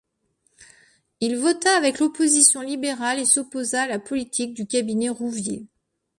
Il vota avec l'opposition libérale et s'opposa à la politique du Cabinet Rouvier.